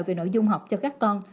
về nội dung học cho các con